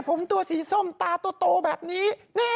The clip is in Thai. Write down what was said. ผมตัวสีส้มตาโตแบบนี้